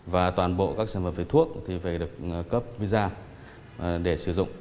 và toàn bộ các sản phẩm về thuốc thì phải được cấp visa để sử dụng